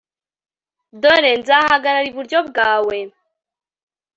Dore nzahagarara iburyo bwawe